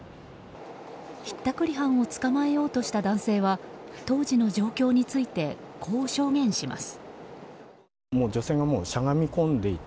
ひったくり犯を捕まえようとした男性は当時の状況についてこう証言します。